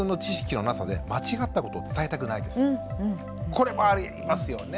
これもありますよね？